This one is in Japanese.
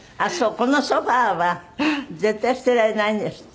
このソファは絶対捨てられないんですって？